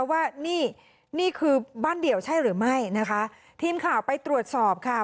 ว่านี่นี่คือบ้านเดี่ยวใช่หรือไม่นะคะทีมข่าวไปตรวจสอบค่ะ